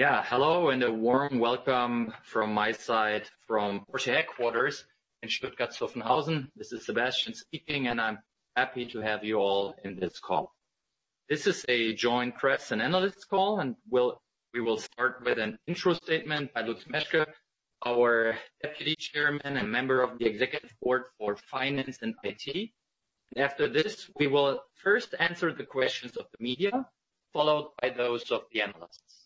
Hello, and a warm welcome from my side from Porsche headquarters in Stuttgart-Zuffenhausen. This is Sebastian speaking, and I'm happy to have you all in this call. This is a joint press and analyst call, and we will start with an intro statement by Lutz Meschke, our deputy chairman and member of the executive board for finance and IT. After this, we will first answer the questions of the media, followed by those of the analysts.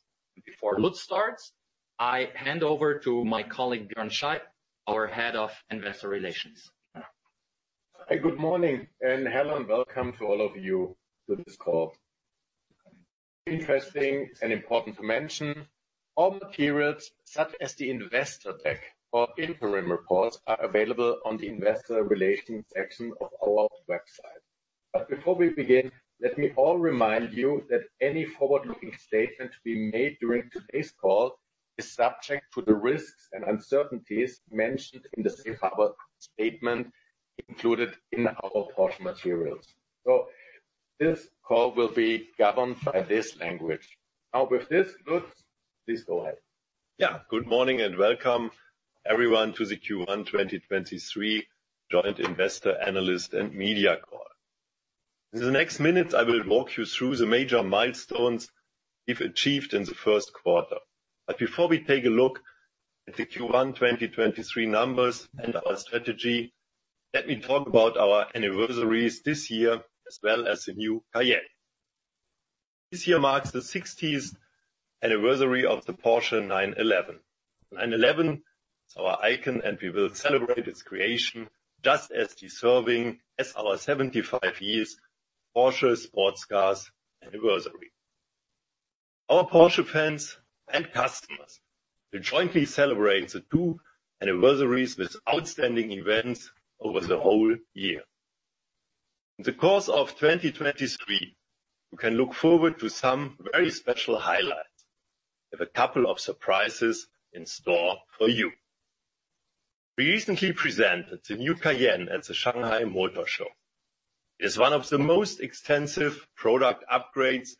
Before Lutz starts, I hand over to my colleague, Björn Scheib, our head of investor relations. Hi, good morning, hello, and welcome to all of you to this call. Interesting and important to mention, all materials, such as the investor deck or interim reports, are available on the investor relations section of our website. Before we begin, let me all remind you that any forward-looking statements being made during today's call is subject to the risks and uncertainties mentioned in the safe harbor statement included in our Porsche materials. This call will be governed by this language. With this, Lutz, please go ahead. Yeah. Good morning and welcome, everyone, to the Q1 2023 joint investor, analyst and media call. In the next minutes, I will walk you through the major milestones we've achieved in the first quarter. But before we take a look at the Q1 2023 numbers and our strategy, let me talk about our anniversaries this year as well as the new Cayenne. This year marks the 60th anniversary of the Porsche 911. 911 is our icon, and we will celebrate its creation just as deserving as our 75 years Porsche sports cars anniversary. Our Porsche fans and customers will jointly celebrate the two anniversaries with outstanding events over the whole year. In the course of 2023, you can look forward to some very special highlights. We have a couple of surprises in store for you. We recently presented the new Cayenne at the Shanghai Motor Show. It's one of the most extensive product upgrades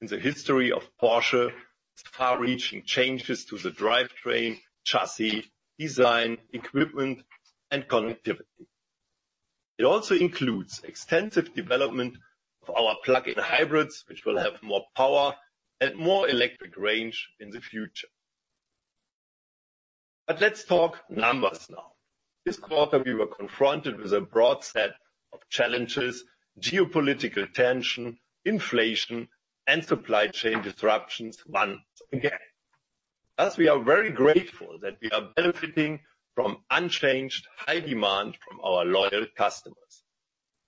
in the history of Porsche, with far-reaching changes to the drivetrain, chassis, design, equipment, and connectivity. It also includes extensive development of our plug-in hybrids, which will have more power and more electric range in the future. Let's talk numbers now. This quarter, we were confronted with a broad set of challenges, geopolitical tension, inflation, and supply chain disruptions once again. Thus, we are very grateful that we are benefiting from unchanged high demand from our loyal customers,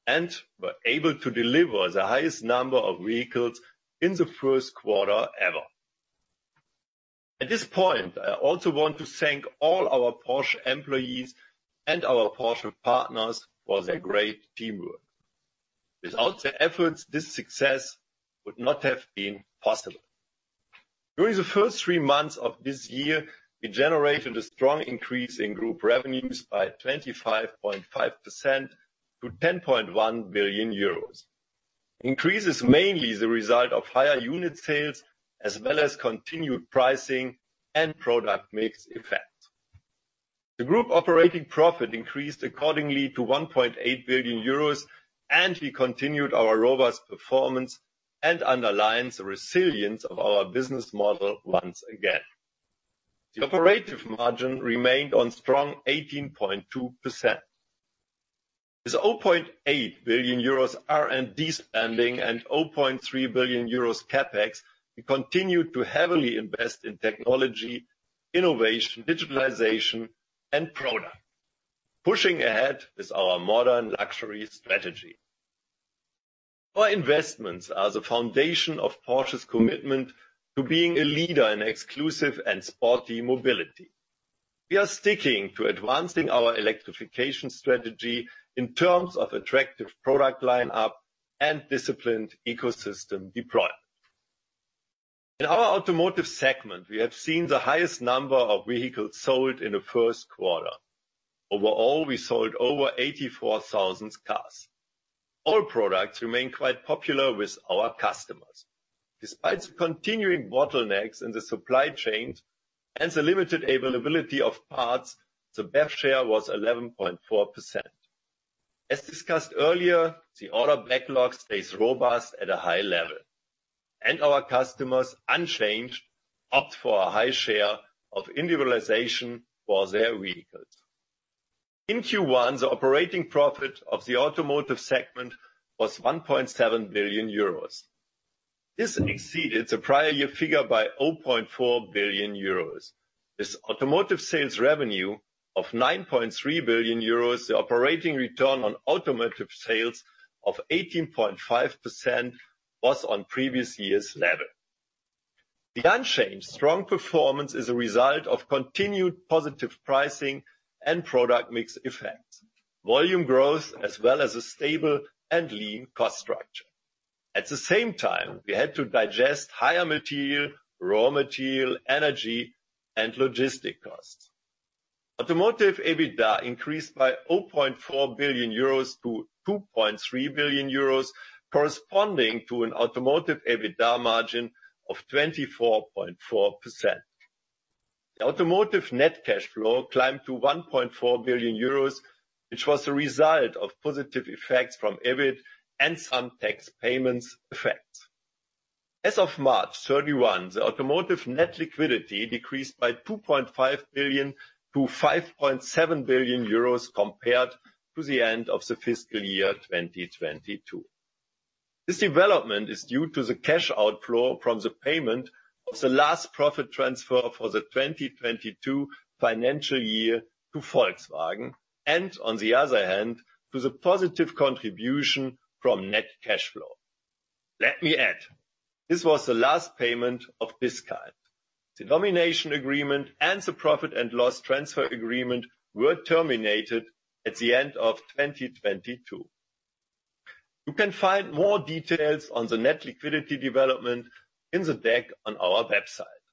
and were able to deliver the highest number of vehicles in the first quarter ever. At this point, I also want to thank all our Porsche employees and our Porsche partners for their great teamwork. Without their efforts, this success would not have been possible. During the first three months of this year, we generated a strong increase in group revenues by 25.5% to 10.1 billion euros. Increase is mainly the result of higher unit sales as well as continued pricing and product mix effect. The group operating profit increased accordingly to 1.8 billion euros. We continued our robust performance and underlines the resilience of our business model once again. The operative margin remained on strong 18.2%. With 0.8 billion euros R&D spending and 0.3 billion euros CapEx, we continued to heavily invest in technology, innovation, digitalization, and product. Pushing ahead with our modern luxury strategy. Our investments are the foundation of Porsche's commitment to being a leader in exclusive and sporty mobility. We are sticking to advancing our electrification strategy in terms of attractive product line up and disciplined ecosystem deployment. In our automotive segment, we have seen the highest number of vehicles sold in the first quarter. Overall, we sold over 84,000 cars. All products remain quite popular with our customers. Despite the continuing bottlenecks in the supply chains and the limited availability of parts, the BEV share was 11.4%. As discussed earlier, the order backlog stays robust at a high level, and our customers unchanged, opt for a high share of individualization for their vehicles. In Q1, the operating profit of the automotive segment was 1.7 billion euros. This exceeded the prior year figure by 0.4 billion euros. This automotive sales revenue of 9.3 billion euros, the operating return on automotive sales of 18.5% was on previous year's level. The unchanged strong performance is a result of continued positive pricing and product mix effects, volume growth, as well as a stable and lean cost structure. At the same time, we had to digest higher material, raw material, energy, and logistic costs. Automotive EBITDA increased by 0.4 billion-2.3 billion euros, corresponding to an automotive EBITDA margin of 24.4%. Automotive net cash flow climbed to 1.4 billion euros, which was a result of positive effects from EBIT and some tax payments effects. As of March 31, the automotive net liquidity decreased by 2.5 billion-5.7 billion euros compared to the end of the fiscal year 2022. This development is due to the cash outflow from the payment of the last profit transfer for the 2022 financial year to Volkswagen and, on the other hand, to the positive contribution from net cash flow. Let me add, this was the last payment of this kind. The domination agreement and the profit and loss transfer agreement were terminated at the end of 2022. You can find more details on the net liquidity development in the deck on our website.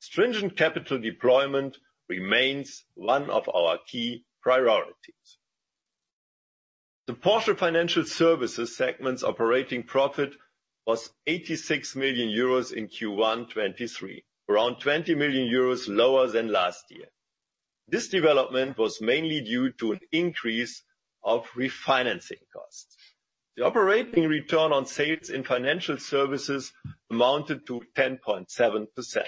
Stringent capital deployment remains one of our key priorities. The Porsche Financial Services segment's operating profit was 86 million euros in Q1 2023, around 20 million euros lower than last year. This development was mainly due to an increase of refinancing costs. The operating return on sales in financial services amounted to 10.7%.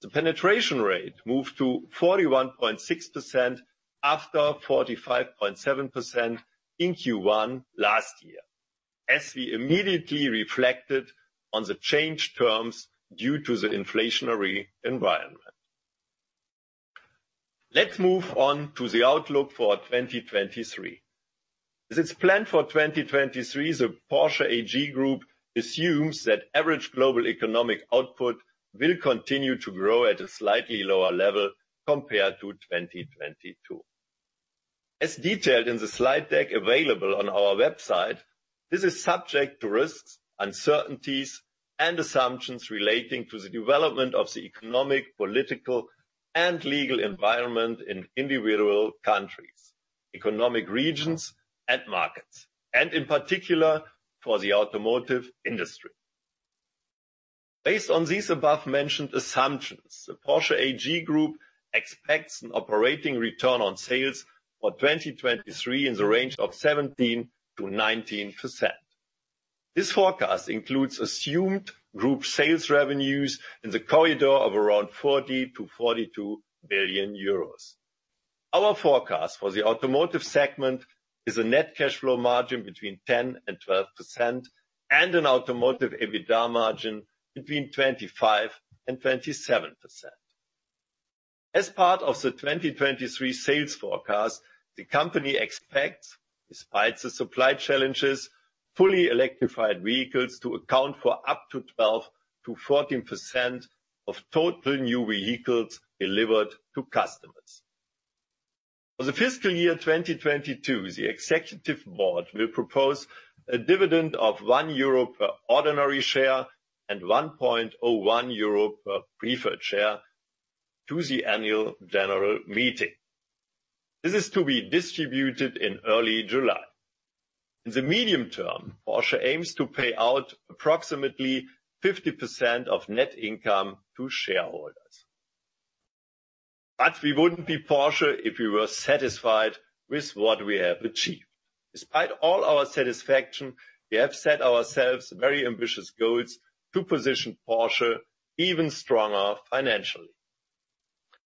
The penetration rate moved to 41.6% after 45.7% in Q1 last year, as we immediately reflected on the changed terms due to the inflationary environment. Let's move on to the outlook for 2023. As it's planned for 2023, the Porsche AG Group assumes that average global economic output will continue to grow at a slightly lower level compared to 2022. As detailed in the slide deck available on our website, this is subject to risks, uncertainties, and assumptions relating to the development of the economic, political, and legal environment in individual countries, economic regions, and markets, and in particular for the automotive industry. Based on these above-mentioned assumptions, the Porsche AG Group expects an operating return on sales for 2023 in the range of 17%-19%. This forecast includes assumed group sales revenues in the corridor of around 40 billion-42 billion euros. Our forecast for the automotive segment is a net cash flow margin between 10% and 12% and an automotive EBITDA margin between 25% and 27%. As part of the 2023 sales forecast, the company expects, despite the supply challenges, fully electrified vehicles to account for up to 12%-14% of total new vehicles delivered to customers. For the fiscal year 2022, the executive board will propose a dividend of 1 euro per ordinary share and 1.01 euro per preferred share to the annual general meeting. This is to be distributed in early July. In the medium term, Porsche aims to pay out approximately 50% of net income to shareholders. We wouldn't be Porsche if we were satisfied with what we have achieved. Despite all our satisfaction, we have set ourselves very ambitious goals to position Porsche even stronger financially.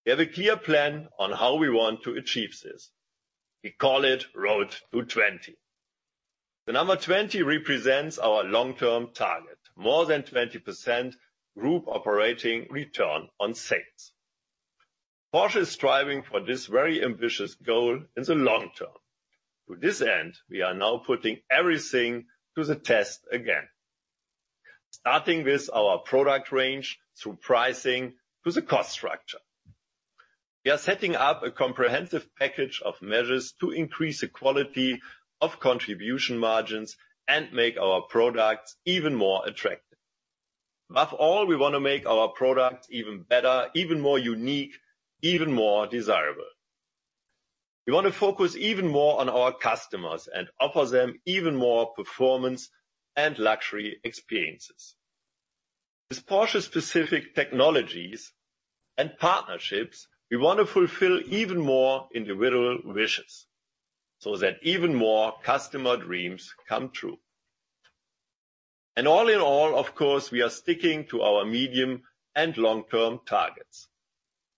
We have a clear plan on how we want to achieve this. We call it Road to 20. The number 20 represents our long-term target, more than 20% group operating return on sales. Porsche is striving for this very ambitious goal in the long term. To this end, we are now putting everything to the test again, starting with our product range through pricing to the cost structure. We are setting up a comprehensive package of measures to increase the quality of contribution margins and make our products even more attractive. Above all, we wanna make our products even better, even more unique, even more desirable. We want to focus even more on our customers and offer them even more performance and luxury experiences. With Porsche-specific technologies and partnerships, we want to fulfill even more individual wishes, so that even more customer dreams come true. All in all, of course, we are sticking to our medium and long-term targets.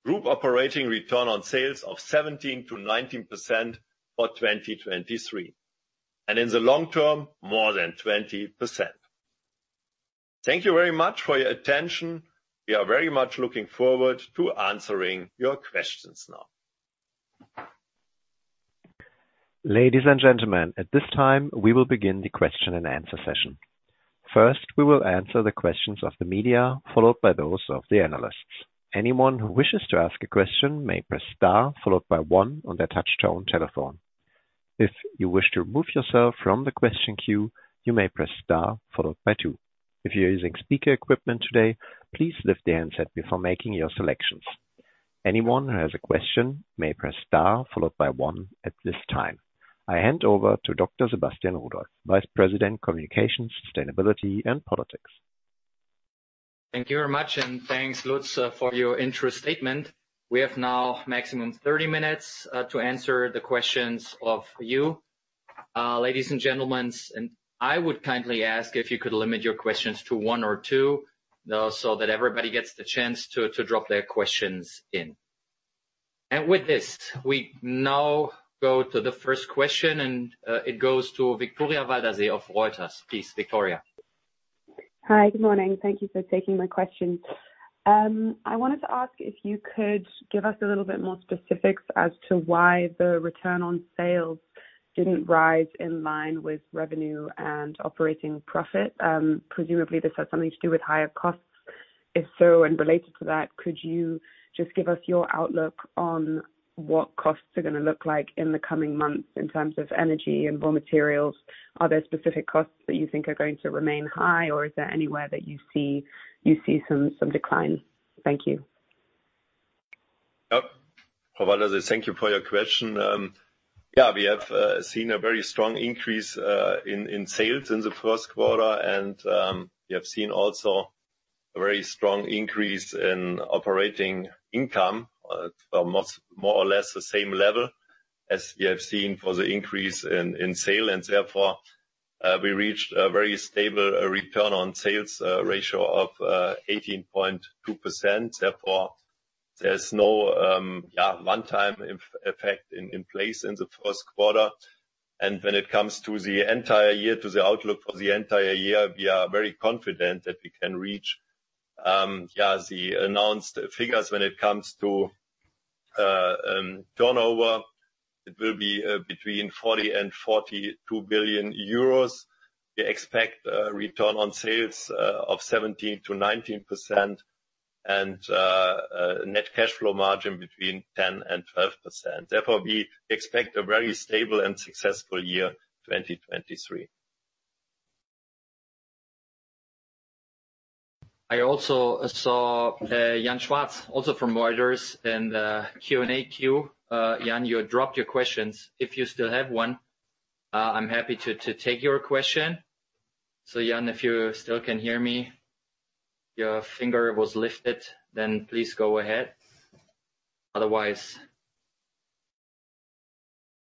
Group operating return on sales of 17%-19% for 2023, and in the long term, more than 20%. Thank you very much for your attention. We are very much looking forward to answering your questions now. Ladies and gentlemen, at this time, we will begin the question and answer session. First, we will answer the questions of the media, followed by those of the analysts. Anyone who wishes to ask a question may press star followed by one on their touch-tone telephone. If you wish to remove yourself from the question queue, you may press Star followed by two. If you're using speaker equipment today, please lift the handset before making your selections. Anyone who has a question may press Star followed by one at this time. I hand over to Dr. Sebastian Rudolph, Vice President Communications, Sustainability and Politics. Thank you very much, and thanks, Lutz, for your intro statement. We have now maximum 30 minutes to answer the questions of you, ladies and gentlemen. I would kindly ask if you could limit your questions to one or two, so that everybody gets the chance to drop their questions in. With this, we now go to the first question, it goes to Victoria Waldersee of Reuters. Please, Victoria. Hi. Good morning. Thank you for taking my question. I wanted to ask if you could give us a little bit more specifics as to why the return on sales didn't rise in line with revenue and operating profit. Presumably this had something to do with higher costs. If so, related to that, could you just give us your outlook on what costs are gonna look like in the coming months in terms of energy and raw materials? Are there specific costs that you think are going to remain high, or is there anywhere that you see some decline? Thank you. Yep. Waldersee, thank you for your question. We have seen a very strong increase in sales in the first quarter, and we have seen also a very strong increase in operating income, more or less the same level as we have seen for the increase in sale. Therefore, we reached a very stable return on sales ratio of 18.2%. Therefore, there's no, yeah, one-time effect in place in the first quarter. When it comes to the entire year, to the outlook for the entire year, we are very confident that we can reach, yeah, the announced figures. When it comes to turnover, it will be between 40 billion-42 billion euros. We expect a return on sales, of 17%-19% and, a net cash flow margin between 10% and 12%. We expect a very stable and successful year, 2023. I also saw Jan Schwartz, also from Reuters, in the Q&A queue. Jan, you dropped your questions. If you still have one, I'm happy to take your question. Jan, if you still can hear me, your finger was lifted, then please go ahead. Otherwise,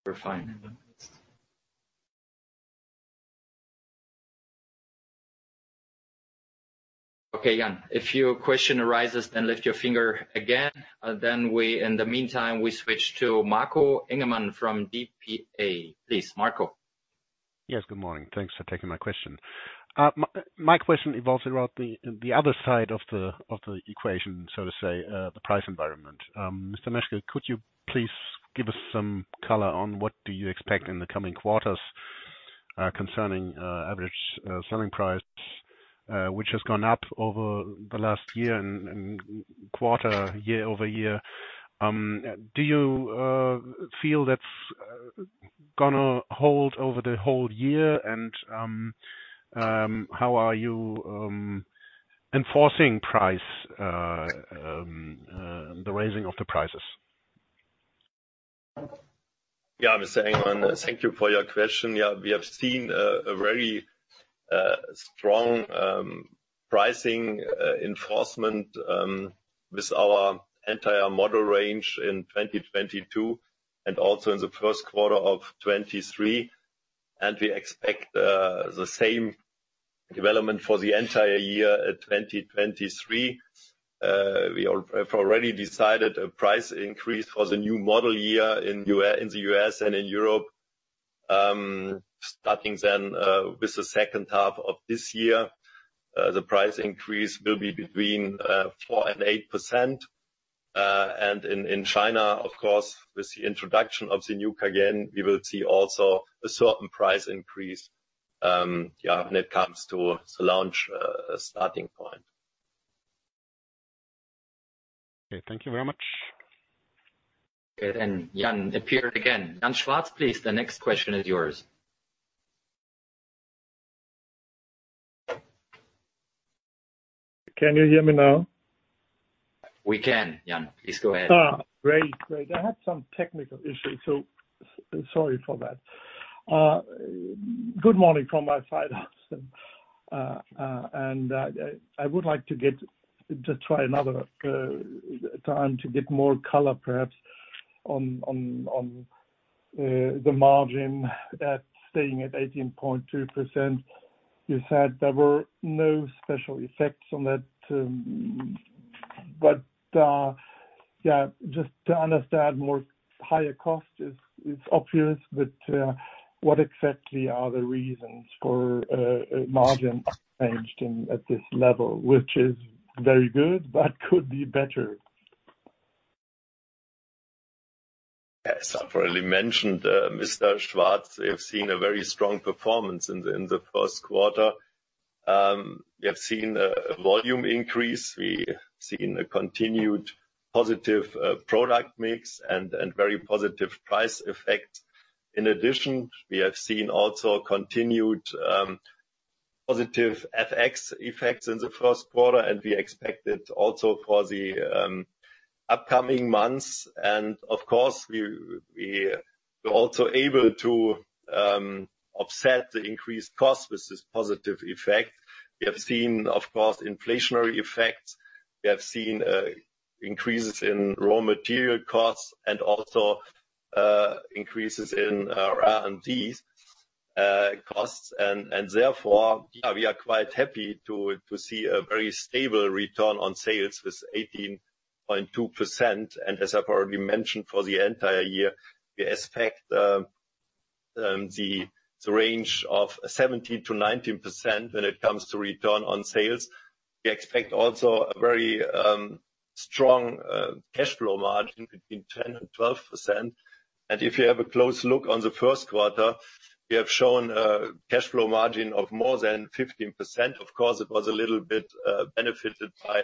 we're fine. Jan, if your question arises, then lift your finger again. We, in the meantime, we switch to Marco Engemann from dpa-AFX. Please, Marco. Yes, good morning. Thanks for taking my question. My question revolves around the other side of the equation, so to say, the price environment. Mr. Meschke, could you please give us some color on what do you expect in the coming quarters, concerning average selling price, which has gone up over the last year and quarter, year-over-year. Do you feel that's gonna hold over the whole year? How are you enforcing price, the raising of the prices? Mr. Engemann, thank you for your question. We have seen a very strong pricing enforcement with our entire model range in 2022 and also in the first quarter of 2023. We expect the same development for the entire year of 2023. We have already decided a price increase for the new model year in the U.S. and in Europe, starting then with the second half of this year. The price increase will be between 4% and 8%. In China, of course, with the introduction of the new Cayenne, we will see also a certain price increase when it comes to the launch starting point. Okay, thank you very much. Okay, Jan appeared again. Jan Schwartz, please, the next question is yours. Can you hear me now? We can, Jan. Please go ahead. Great. Great. I had some technical issues, so sorry for that. Good morning from my side also. I would like to try another time to get more color, perhaps, on the margin, staying at 18.2%. You said there were no special effects on that. Yeah, just to understand more, higher cost is obvious, but what exactly are the reasons for margin changed at this level, which is very good, but could be better? As I've already mentioned, Jan Schwartz, we've seen a very strong performance in the first quarter. We have seen a volume increase. We've seen a continued positive product mix and very positive price effect. In addition, we have seen also a continued positive FX effect in the first quarter, and we expect it also for the upcoming months. Of course, we were also able to offset the increased cost with this positive effect. We have seen, of course, inflationary effects. We have seen increases in raw material costs and also increases in our R&D costs. Therefore, yeah, we are quite happy to see a very stable return on sales with 18.2%. As I've already mentioned for the entire year, we expect the range of 70%-19% when it comes to return on sales. We expect also a very strong cash flow margin between 10% and 12%. If you have a close look on the first quarter, we have shown a cash flow margin of more than 15%. Of course, it was a little bit benefited by a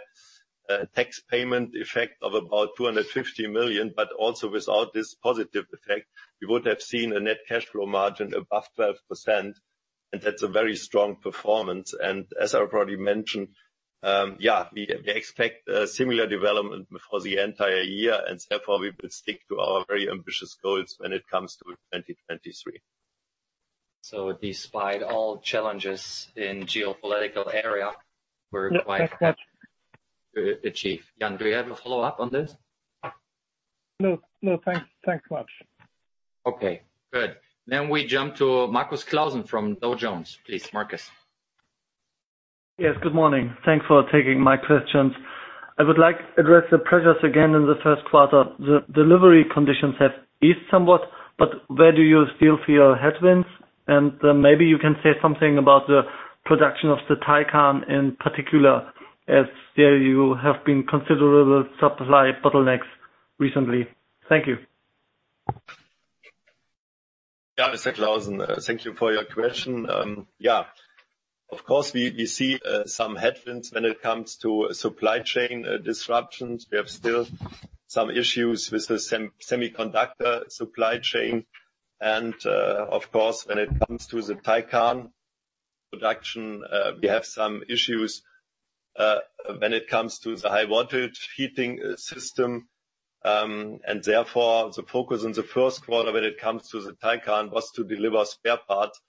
tax payment effect of about 250 million. Also without this positive effect, we would have seen a net cash flow margin above 12%, and that's a very strong performance. As I've already mentioned, we expect a similar development for the entire year, and therefore we will stick to our very ambitious goals when it comes to 2023. Despite all challenges in geopolitical area. Yes, that's. achieve. Jan, do you have a follow-up on this? No, no, thanks. Thanks much. Okay, good. We jump to Markus Klausing from Dow Jones. Please, Markus. Yes. Good morning. Thanks for taking my questions. I would like address the pressures again in the first quarter. The delivery conditions have eased somewhat, but where do you still feel headwinds? Then maybe you can say something about the production of the Taycan in particular, as there you have been considerable supply bottlenecks recently. Thank you. Mr. Klausing, thank you for your question. Of course, we see some headwinds when it comes to supply chain disruptions. We have still some issues with the semiconductor supply chain. Of course, when it comes to the Taycan production, we have some issues when it comes to the high voltage heating system. Therefore the focus in the first quarter when it comes to the Taycan was to deliver spare parts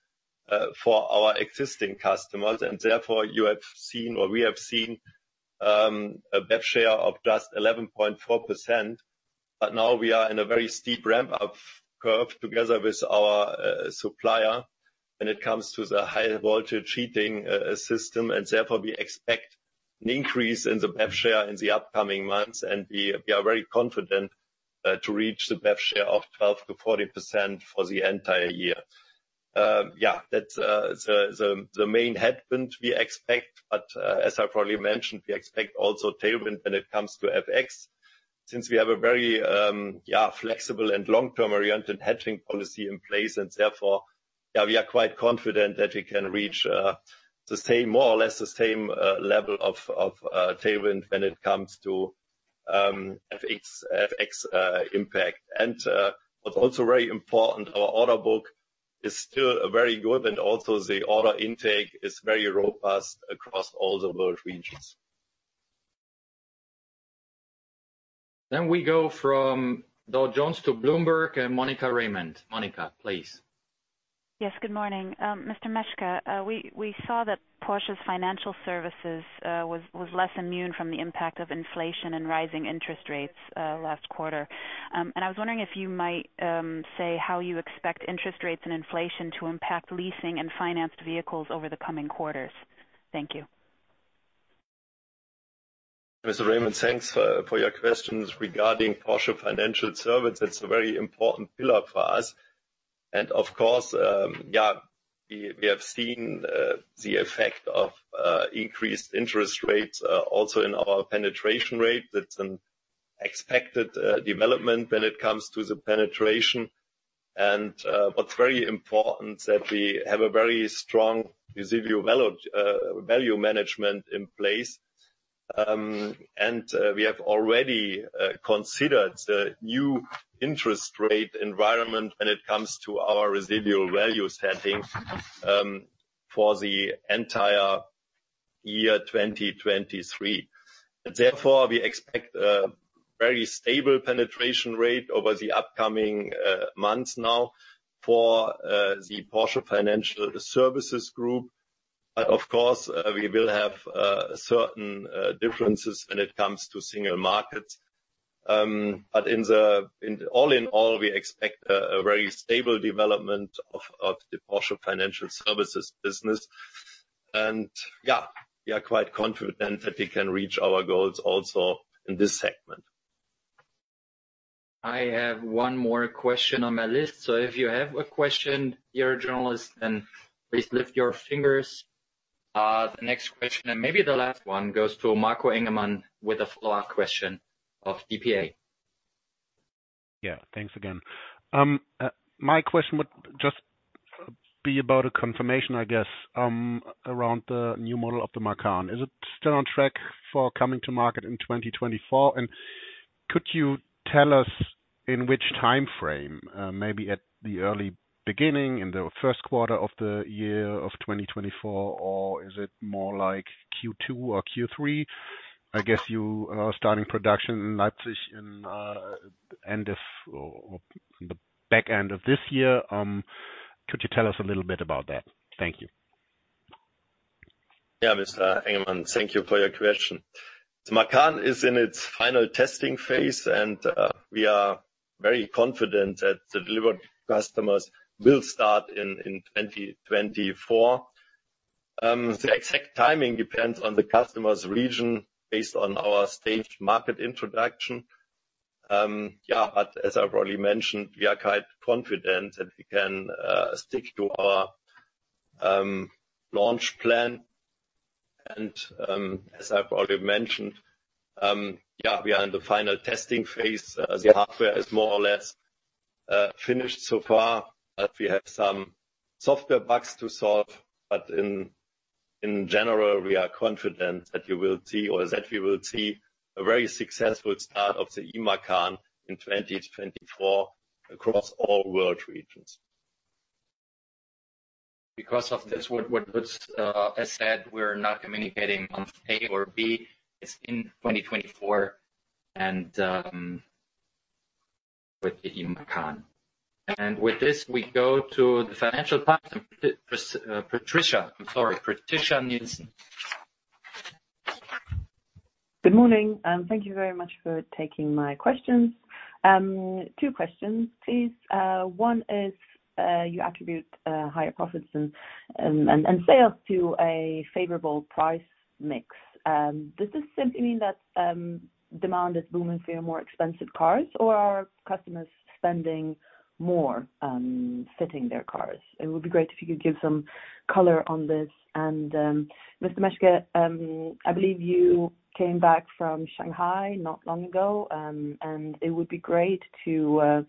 for our existing customers. Therefore you have seen or we have seen a BEV share of just 11.4%. Now we are in a very steep ramp up curve together with our supplier when it comes to the high voltage heating system. Therefore we expect an increase in the BEV share in the upcoming months. We are very confident to reach the BEV share of 12%-40% for the entire year. That's the main headwind we expect, but as I've already mentioned, we expect also tailwind when it comes to FX, since we have a very flexible and long-term oriented hedging policy in place. Therefore, we are quite confident that we can reach the same, more or less the same, level of tailwind when it comes to FX impact. What's also very important, our order bank is still very good, and also the order intake is very robust across all the world regions. We go from Dow Jones to Bloomberg and Monika Raymond. Monika, please. Yes, good morning. Mr. Meschke, we saw that Porsche Financial Services was less immune from the impact of inflation and rising interest rates last quarter. I was wondering if you might say how you expect interest rates and inflation to impact leasing and financed vehicles over the coming quarters. Thank you. Ms. Raymond, thanks for your questions regarding Porsche Financial Services. It's a very important pillar for us. Of course, we have seen the effect of increased interest rates also in our penetration rate. That's an expected development when it comes to the penetration. What's very important that we have a very strong residual value management in place. We have already considered the new interest rate environment when it comes to our residual value setting for the entire year 2023. Therefore, we expect a very stable penetration rate over the upcoming months now for the Porsche Financial Services group. Of course, we will have certain differences when it comes to single markets. In the... All in all, we expect a very stable development of the Porsche Financial Services business. Yeah, we are quite confident that we can reach our goals also in this segment. I have one more question on my list, so if you have a question, you're a journalist, then please lift your fingers. The next question, and maybe the last one, goes to Marco Engemann with a follow-up question of dpa-AFX. Yeah. Thanks again. My question would just be about a confirmation, I guess, around the new model of the Macan. Is it still on track for coming to market in 2024? Could you tell us in which timeframe, maybe at the early beginning, in the first quarter of the year of 2024, or is it more like Q2 or Q3? I guess you are starting production in Leipzig in, end of or the back end of this year. Could you tell us a little bit about that? Thank you. Yeah. Mr. Engemann, thank you for your question. The Macan is in its final testing phase, and we are very confident that the delivery to customers will start in 2024. The exact timing depends on the customer's region based on our staged market introduction. Yeah, as I've already mentioned, we are quite confident that we can stick to our launch plan. As I've already mentioned, yeah, we are in the final testing phase. The hardware is more or less finished so far, but we have some software bugs to solve. In general, we are confident that you will see or that we will see a very successful start of the eMacan in 2024 across all world regions. Because of this, what was, as said, we're not communicating on A or B. It's in 2024 with the eMacan. With this, we go to the financial partner, Patricia. I'm sorry, Patricia Nilsson. Good morning, and thank you very much for taking my questions. Two questions, please. One is, you attribute higher profits and sales to a favorable price mix. Does this simply mean that demand is booming for your more expensive cars, or are customers spending more fitting their cars? It would be great if you could give some color on this. Mr. Meschke, I believe you came back from Shanghai not long ago, and it would be great to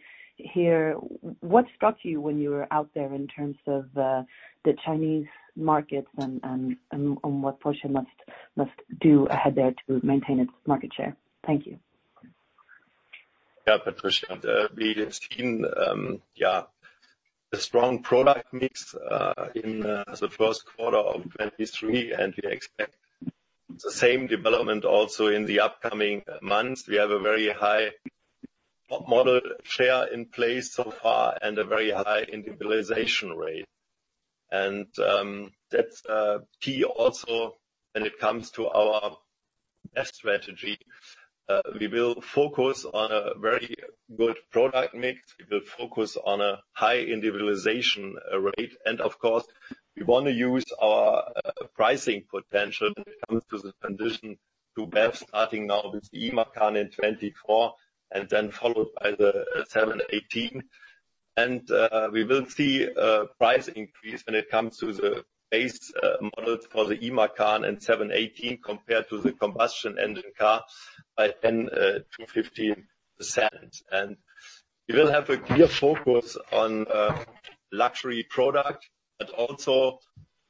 hear what struck you when you were out there in terms of the Chinese markets and what Porsche must do ahead there to maintain its market share. Thank you. Yeah, Patricia. We have seen, yeah, the strong product mix in the first quarter of 2023, and we expect the same development also in the upcoming months. We have a very high model share in place so far and a very high individualization rate. That's key also when it comes to our BEV strategy. We will focus on a very good product mix. We will focus on a high individualization rate. Of course, we wanna use our pricing potential when it comes to the transition to BEV, starting now with eMacan in 2024 and then followed by the 718. We will see a price increase when it comes to the base models for the eMacan and 718 compared to the combustion engine car by 10%-15%. We will have a clear focus on luxury product, but also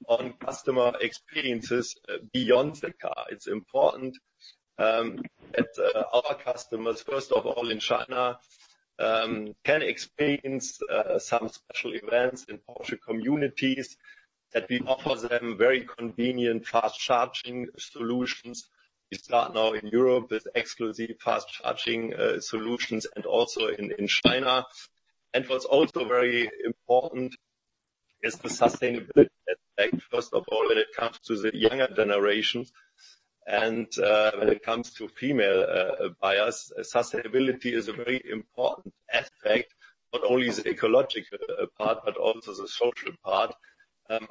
on customer experiences beyond the car. It's important that our customers, first of all, in China, can experience some special events in Porsche communities, that we offer them very convenient fast charging solutions. We start now in Europe with exclusive fast charging solutions, and also in China. What's also very important is the sustainability effect, first of all, when it comes to the younger generation and when it comes to female buyers. Sustainability is a very important aspect, not only the ecological part, but also the social part.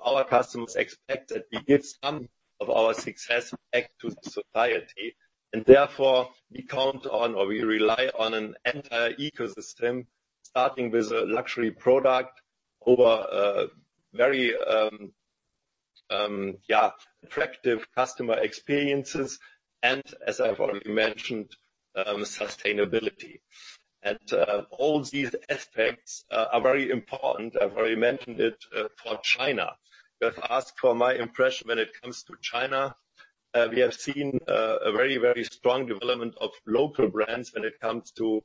Our customers expect that we give some of our success back to the society, and therefore we count on or we rely on an entire ecosystem, starting with a luxury product over, very, yeah, attractive customer experiences and, as I've already mentioned, sustainability. All these aspects are very important. I've already mentioned it for China. You have asked for my impression when it comes to China. We have seen a very strong development of local brands when it comes to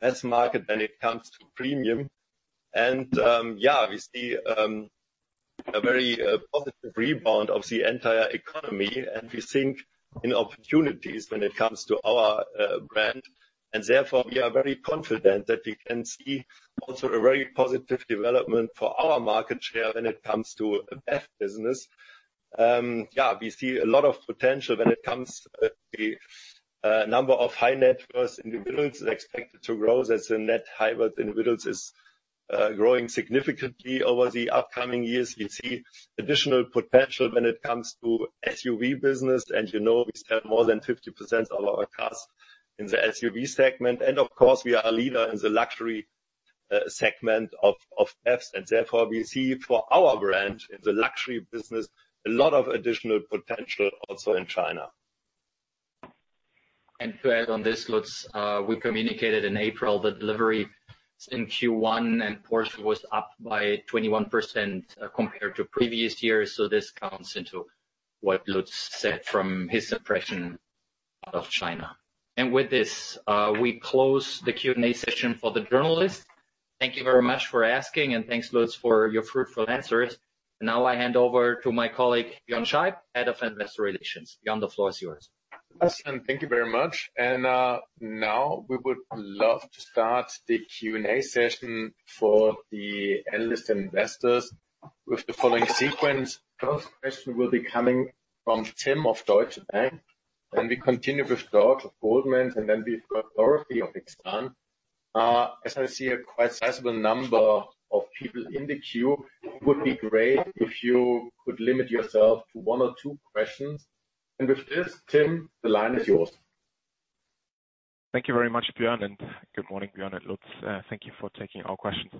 mass market, when it comes to premium. Yeah, we see a very positive rebound of the entire economy, and we think in opportunities when it comes to our brand, and therefore we are very confident that we can see also a very positive development for our market share when it comes to BEV business. Yeah, we see a lot of potential when it comes to the number of high net worth individuals expected to grow as the net high worth individuals is growing significantly over the upcoming years. We see additional potential when it comes to SUV business, and you know we sell more than 50% of our cars in the SUV segment. Of course, we are a leader in the luxury segment of BEVs, and therefore we see for our brand in the luxury business, a lot of additional potential also in China. To add on this, Lutz, we communicated in April the delivery in Q1 and Porsche was up by 21% compared to previous years. This counts into what Lutz said from his impression of China. With this, we close the Q&A session for the journalists. Thank you very much for asking, and thanks, Lutz, for your fruitful answers. I hand over to my colleague, Björn Scheib, Head of Investor Relations. Björn, the floor is yours. Thanks, thank you very much. Now we would love to start the Q&A session for the analyst investors with the following sequence. First question will be coming from Tim of Deutsche Bank, then we continue with George of Goldman, and then we've got Dorothy of Exane. As I see a quite sizable number of people in the queue, it would be great if you could limit yourself to one or two questions. With this, Tim, the line is yours. Thank you very much, Björn. Good morning, Björn and Lutz. Thank you for taking our questions.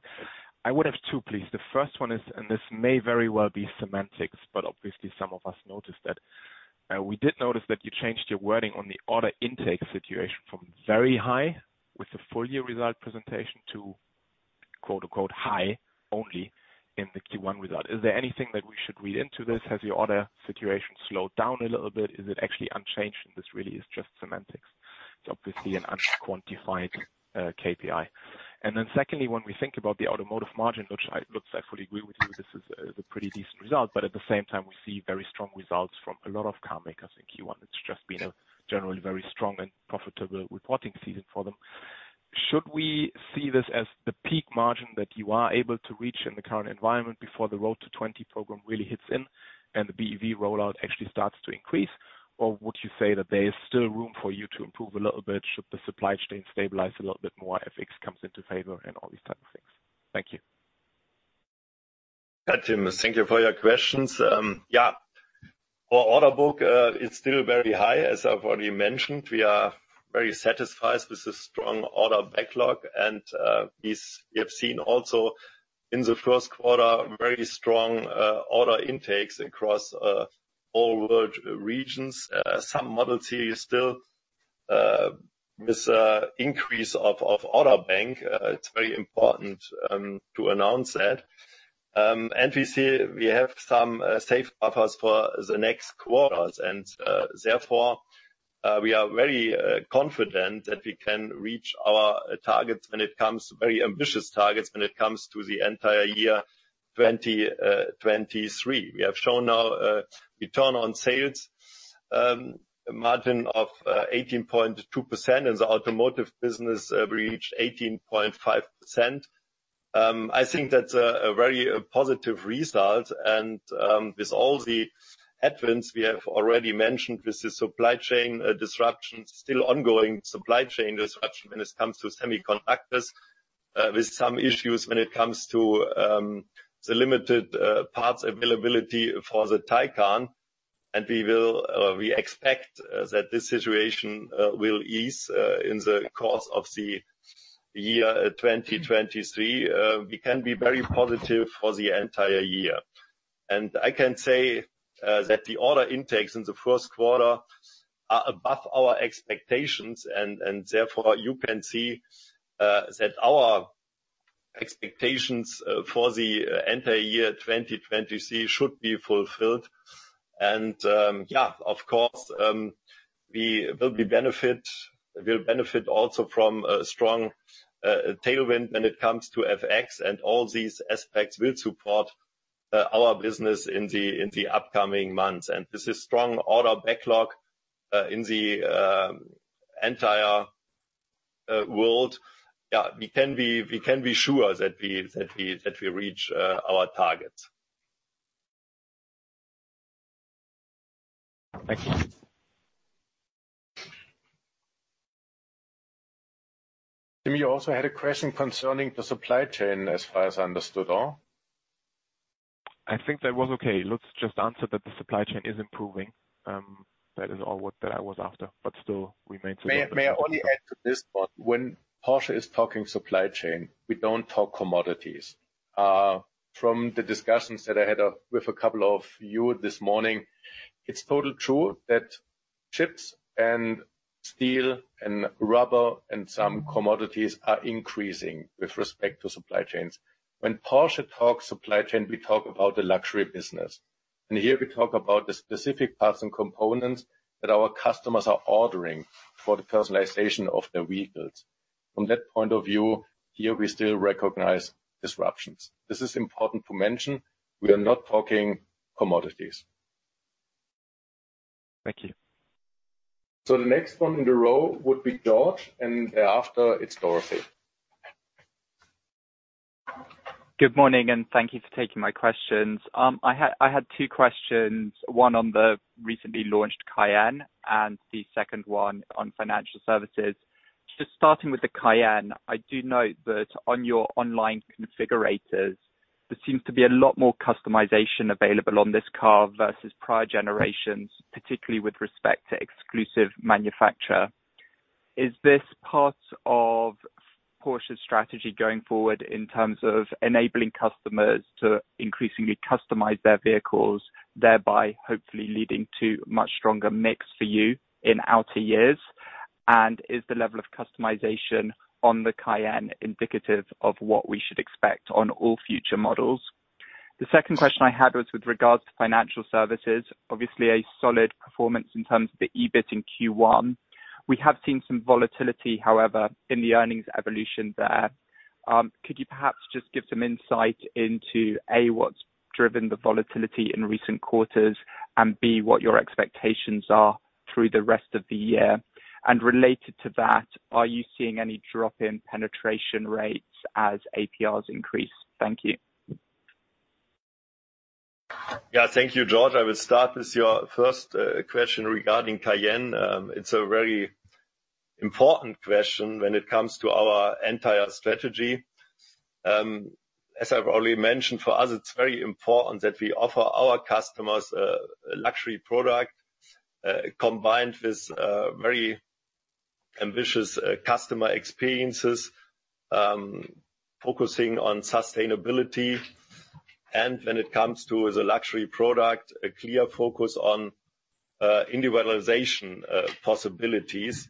I would have two, please. The first one is, this may very well be semantics, but obviously some of us noticed that. We did notice that you changed your wording on the order intake situation from very high with the full-year result presentation to quote-unquote high only in the Q1 result. Is there anything that we should read into this? Has the order situation slowed down a little bit? Is it actually unchanged, and this really is just semantics? It's obviously an unquantified KPI. Secondly, when we think about the automotive margin, which I, Lutz, I fully agree with you, this is a pretty decent result, but at the same time, we see very strong results from a lot of car makers in Q1. It's just been a generally very strong and profitable reporting season for them. Should we see this as the peak margin that you are able to reach in the current environment before the Road to 20 program really hits in and the BEV rollout actually starts to increase, or would you say that there is still room for you to improve a little bit should the supply chain stabilize a little bit more, FX comes into favor, and all these type of things? Thank you. Tim, thank you for your questions. Yeah. Our order book is still very high, as I've already mentioned. We are very satisfied with the strong order backlog, and this we have seen also in the first quarter, very strong order intakes across all world regions. Some model series still with increase of order bank, it's very important to announce that. We see we have some safe buffers for the next quarters, and therefore, we are very confident that we can reach our targets when it comes, very ambitious targets when it comes to the entire year 2023. We have shown our return on sales margin of 18.2%. In the automotive business, we reached 18.5%. I think that's a very positive result and with all the headwinds we have already mentioned with the supply chain disruption, still ongoing supply chain disruption when it comes to semiconductors, with some issues when it comes to the limited parts availability for the Taycan, and we will, we expect that this situation will ease in the course of the year 2023. We can be very positive for the entire year. I can say that the order intakes in the first quarter are above our expectations and therefore you can see that our expectations for the entire year 2023 should be fulfilled. Of course, we'll benefit also from a strong tailwind when it comes to FX and all these aspects will support our business in the upcoming months. This is strong order backlog in the entire world. Yeah, we can be sure that we reach our targets. Thank you. Tim, you also had a question concerning the supply chain as far as I understood, or? I think that was okay. Lutz just answered that the supply chain is improving. That is all what that I was after, but still remains- May I only add to this one. When Porsche is talking supply chain, we don't talk commodities. From the discussions that I had with a couple of you this morning, it's totally true that chips and steel and rubber and some commodities are increasing with respect to supply chains. When Porsche talks supply chain, we talk about the luxury business. Here we talk about the specific parts and components that our customers are ordering for the personalization of their vehicles. From that point of view, here we still recognize disruptions. This is important to mention. We are not talking commodities. Thank you. The next one in the row would be George, and thereafter it's Dorothy. Good morning, and thank you for taking my questions. I had two questions, one on the recently launched Cayenne and the second one on financial services. Just starting with the Cayenne, I do note that on your online configurators, there seems to be a lot more customization available on this car versus prior generations, particularly with respect to Exclusive Manufaktur. Is this part of Porsche's strategy going forward in terms of enabling customers to increasingly customize their vehicles, thereby hopefully leading to much stronger mix for you in outer years? Is the level of customization on the Cayenne indicative of what we should expect on all future models? The second question I had was with regards to financial services. Obviously, a solid performance in terms of the EBIT in Q1. We have seen some volatility, however, in the earnings evolution there. Could you perhaps just give some insight into, A, what's driven the volatility in recent quarters, and B, what your expectations are through the rest of the year? Related to that, are you seeing any drop-in penetration rates as APRs increase? Thank you. Yeah. Thank you, George. I will start with your first question regarding Cayenne. It's a very important question when it comes to our entire strategy. As I've already mentioned, for us, it's very important that we offer our customers a luxury product, combined with very ambitious customer experiences, focusing on sustainability. When it comes to as a luxury product, a clear focus on individualization possibilities.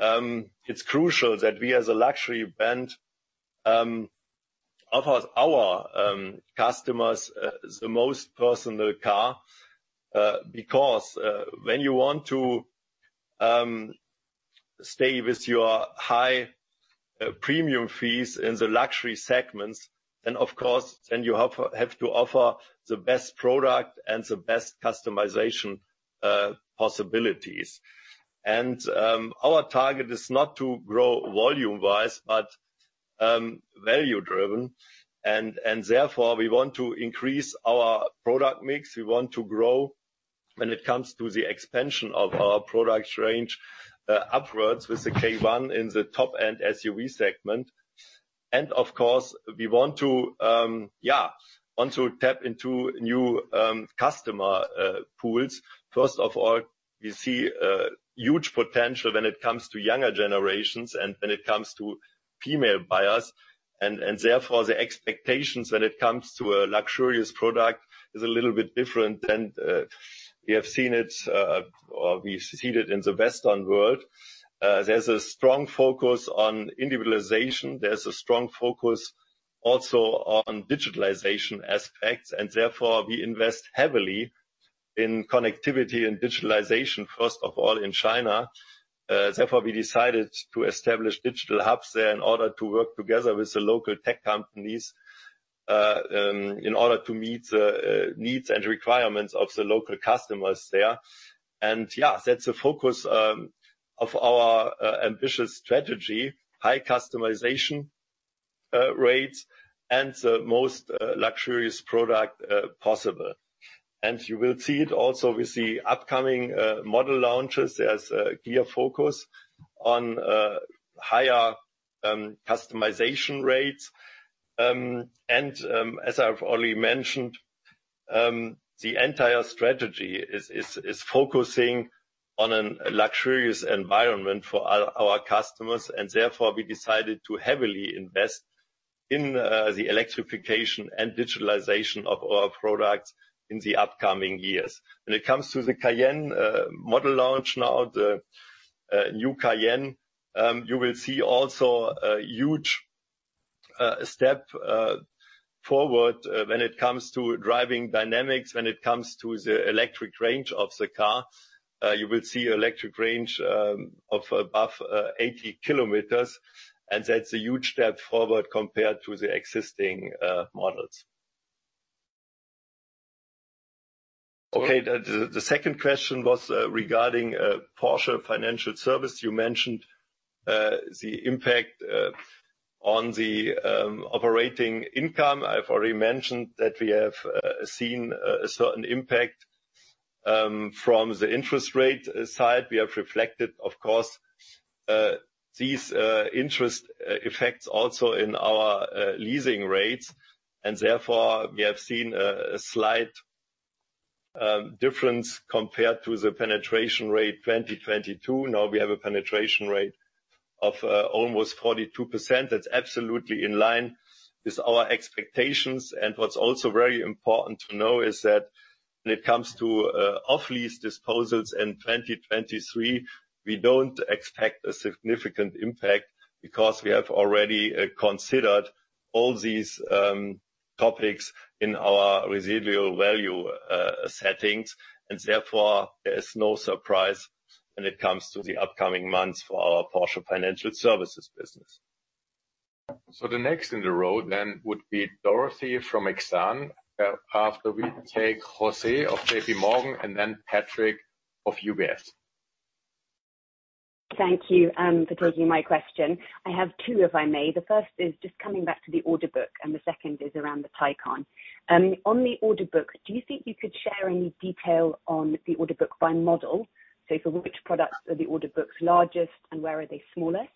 It's crucial that we as a luxury brand offer our customers the most personal car, because when you want to stay with your high premium fees in the luxury segments, then of course, then you have to offer the best product and the best customization possibilities. Our target is not to grow volume-wise, but value-driven, and therefore, we want to increase our product mix. We want to grow when it comes to the expansion of our product range, upwards with the Cayenne in the top-end SUV segment. Of course, we want to, yeah, want to tap into new customer pools. First of all, we see huge potential when it comes to younger generations and when it comes to female buyers. Therefore, the expectations when it comes to a luxurious product is a little bit different than we have seen it or we've seen it in the Western world. There's a strong focus on individualization. There's a strong focus also on digitalization aspects, and therefore we invest heavily in connectivity and digitalization, first of all in China. Therefore, we decided to establish digital hubs there in order to work together with the local tech companies in order to meet the needs and requirements of the local customers there. Yeah, that's a focus of our ambitious strategy, high customization rates, and the most luxurious product possible. You will see it also with the upcoming model launches. There's a clear focus on higher customization rates. As I've already mentioned, the entire strategy is focusing on a luxurious environment for our customers, and therefore we decided to heavily invest in the electrification and digitalization of our products in the upcoming years. When it comes to the Cayenne model launch now, the new Cayenne, you will see also a huge step forward, when it comes to driving dynamics, when it comes to the electric range of the car. You will see electric range of above 80 km, and that's a huge step forward compared to the existing models. Okay. The second question was regarding Porsche Financial Services. You mentioned the impact on the operating income. I've already mentioned that we have seen a certain impact from the interest rate side. We have reflected, of course, these interest effects also in our leasing rates. Therefore, we have seen a slight difference compared to the penetration rate 2022. Now we have a penetration rate of almost 42%. That's absolutely in line with our expectations. What's also very important to know is that when it comes to off-lease disposals in 2023, we don't expect a significant impact because we have already considered all these topics in our residual value settings. Therefore, there is no surprise when it comes to the upcoming months for our Porsche Financial Services business. The next in the row then would be Dorothy from Exane. After we take Jose of JPMorgan, then Patrick of UBS. Thank you for taking my question. I have two, if I may. The first is just coming back to the order book. The second is around the Taycan. On the order book, do you think you could share any detail on the order book by model? For which products are the order books largest and where are they smallest?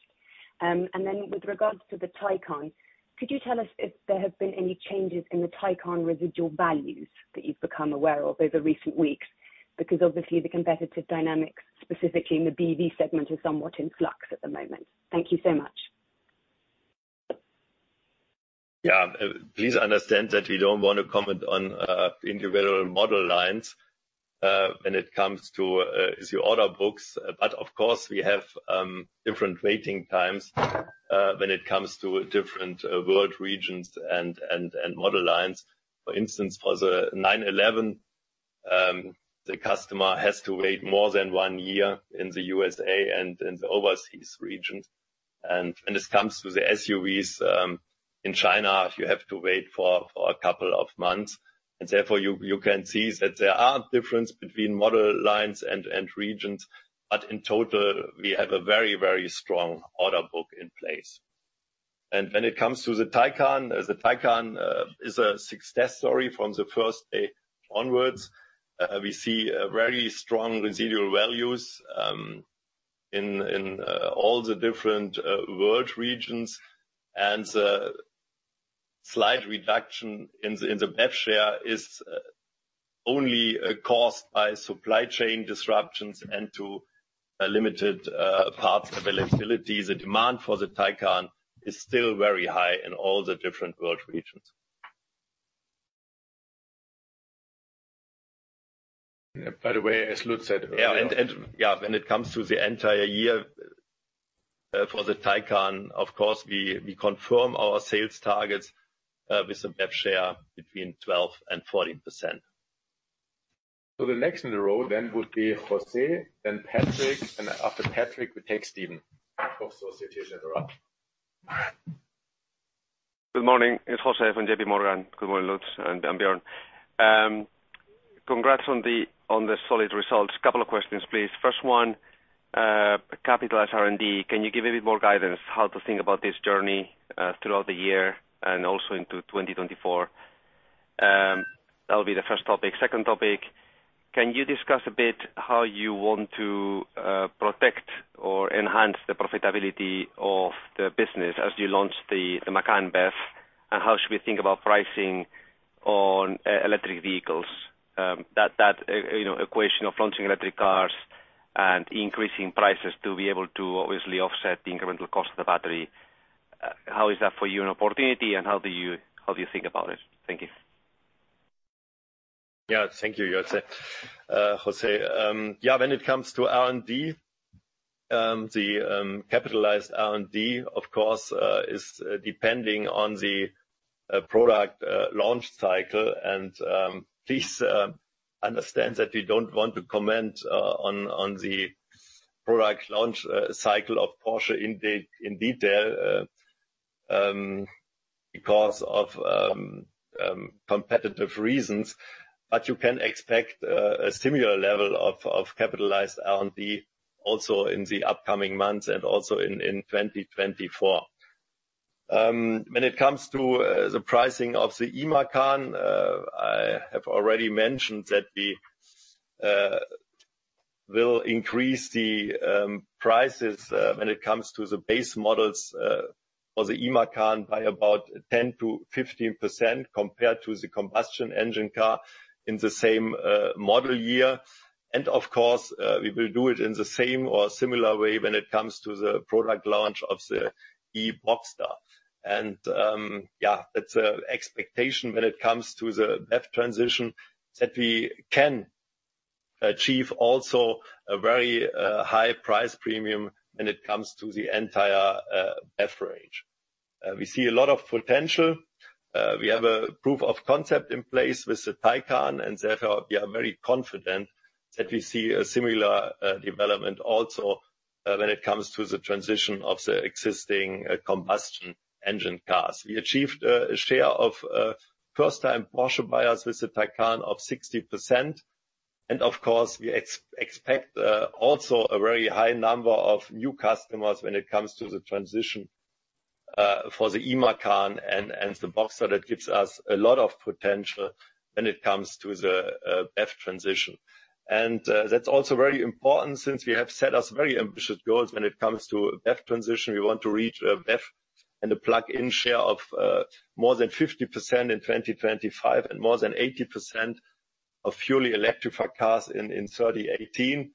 With regards to the Taycan, could you tell us if there have been any changes in the Taycan residual values that you've become aware of over recent weeks? Because obviously the competitive dynamics, specifically in the BEV segment, is somewhat in flux at the moment. Thank you so much. Please understand that we don't wanna comment on individual model lines when it comes to the order books. Of course, we have different waiting times when it comes to different world regions and model lines. For instance, for the 911, the customer has to wait more than one year in the USA and in the overseas regions. When this comes to the SUVs, in China, you have to wait for a couple of months, and therefore you can see that there are differences between model lines and regions. In total, we have a very strong order book in place. When it comes to the Taycan, the Taycan is a success story from the first day onwards. We see a very strong residual values in all the different world regions. The slight reduction in the BEV share is only caused by supply chain disruptions and limited parts availability. The demand for the Taycan is still very high in all the different world regions. By the way, as Lutz said earlier. Yeah. When it comes to the entire year, for the Taycan, of course, we confirm our sales targets with some BEV share between 12% and 14%. The next in the row then would be Jose, then Patrick, and after Patrick, we take Steven. Of course, those two should drop. Good morning. It's Jose from JPMorgan. Good morning, Lutz and Björn. Congrats on the solid results. Couple of questions, please. First one, capitalized R&D. Can you give a bit more guidance how to think about this journey throughout the year and also into 2024? That'll be the first topic. Second topic, can you discuss a bit how you want to protect or enhance the profitability of the business as you launch the Macan BEV, and how should we think about pricing on e-electric vehicles? That, you know, equation of launching electric cars and increasing prices to be able to obviously offset the incremental cost of the battery, how is that for you an opportunity, and how do you think about it? Thank you. Yeah. Thank you, Jose. Jose, when it comes to R&D, the capitalized R&D, of course, is depending on the product launch cycle. Please understand that we don't want to comment on the product launch cycle of Porsche in detail because of competitive reasons. You can expect a similar level of capitalized R&D also in the upcoming months and also in 2024. When it comes to the pricing of the e-Macan, I have already mentioned that we will increase the prices when it comes to the base models for the e-Macan by about 10%-15% compared to the combustion engine car in the same model year. Of course, we will do it in the same or similar way when it comes to the product launch of the e-Boxster. Yeah, that's our expectation when it comes to the BEV transition, that we can achieve also a very high price premium when it comes to the entire BEV range. We see a lot of potential. We have a proof of concept in place with the Taycan, and therefore, we are very confident that we see a similar development also when it comes to the transition of the existing combustion engine cars. We achieved a share of first-time Porsche buyers with the Taycan of 60%, and of course, we expect also a very high number of new customers when it comes to the transition for the e-Macan and the Boxster. That gives us a lot of potential when it comes to the BEV transition. That's also very important since we have set ourselves very ambitious goals when it comes to BEV transition. We want to reach a BEV and a plug-in share of more than 50% in 2025 and more than 80% of purely electrified cars in 3018.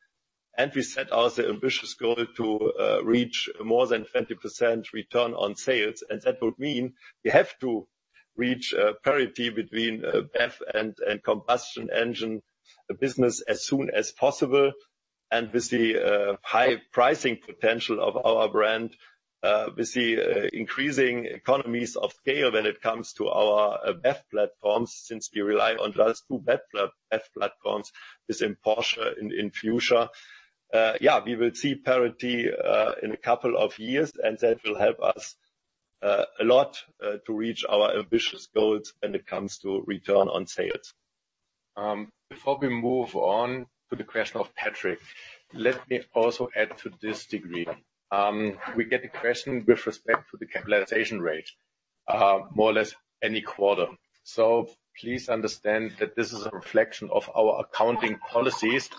We set ourselves ambitious goal to reach more than 20% return on sales, and that would mean we have to reach a parity between BEV and combustion engine business as soon as possible. With the high pricing potential of our brand, we see increasing economies of scale when it comes to our BEV platforms, since we rely on just two BEV platforms within Porsche in future. Yeah, we will see parity in a couple of years, and that will help us a lot to reach our ambitious goals when it comes to return on sales. Before we move on to the question of Patrick, let me also add to this degree. We get a question with respect to the capitalization rate. More or less any quarter. Please understand that this is a reflection of our accounting policies,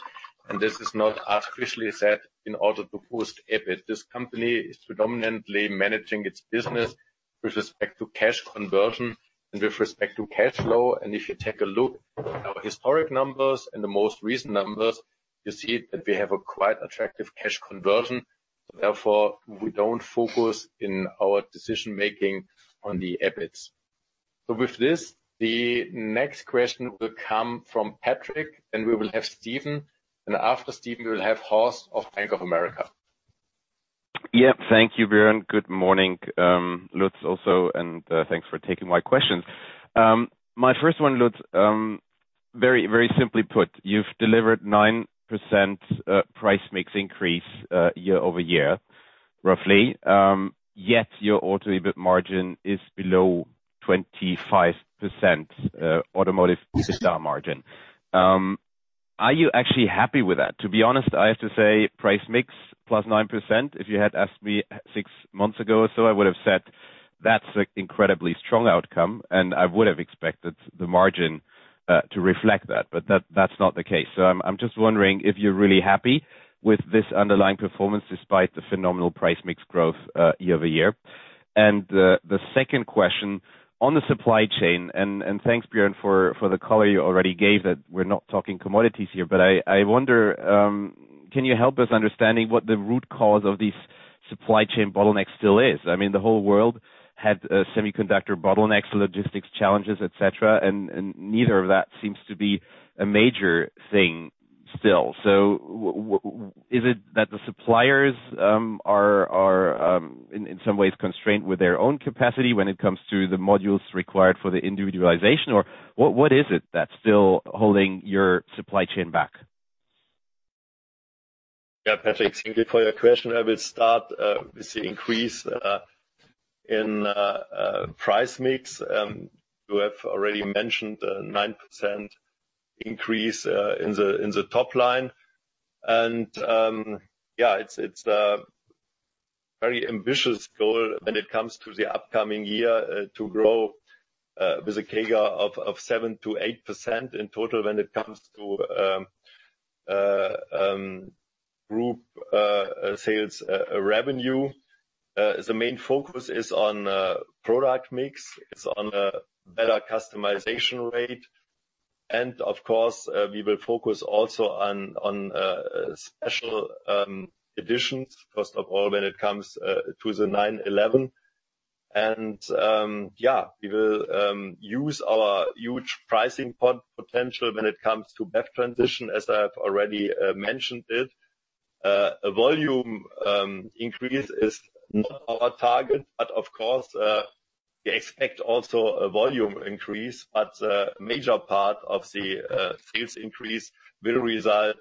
and this is not artificially set in order to boost EBIT. This company is predominantly managing its business with respect to cash conversion and with respect to cash flow. If you take a look at our historic numbers and the most recent numbers, you see that we have a quite attractive cash conversion. Therefore, we don't focus in our decision-making on the EBIT. With this, the next question will come from Patrick, then we will have Steven, and after Steven, we will have Horst of Bank of America. Yeah. Thank you, Björn. Good morning, Lutz, also, thanks for taking my questions. My first one, Lutz, very, very simply put, you've delivered 9% price mix increase year-over-year, roughly. Your auto EBIT margin is below 25% automotive EBITDA margin. Are you actually happy with that? To be honest, I have to say price mix +9%, if you had asked me six months ago or so, I would have said that's an incredibly strong outcome, and I would have expected the margin to reflect that. That's not the case. I'm just wondering if you're really happy with this underlying performance despite the phenomenal price mix growth year-over-year. The second question on the supply chain, and thanks, Björn, for the color you already gave that we're not talking commodities here, but I wonder, can you help us understanding what the root cause of this supply chain bottleneck still is? I mean, the whole world had semiconductor bottlenecks, logistics challenges, et cetera, and neither of that seems to be a major thing still. Is it that the suppliers are in some ways constrained with their own capacity when it comes to the modules required for the individualization? Or what is it that's still holding your supply chain back? Yeah, Patrick, thank you for your question. I will start with the increase in price mix. You have already mentioned the 9% increase in the top line. Yeah, it's a very ambitious goal when it comes to the upcoming year to grow with a CAGR of 7%-8% in total when it comes to group sales revenue. The main focus is on product mix. It's on a better customization rate. Of course, we will focus also on special editions, first of all, when it comes to the 911. Yeah, we will use our huge pricing potential when it comes to BEV transition, as I have already mentioned it. A volume increase is not our target, but of course, we expect also a volume increase. A major part of the sales increase will result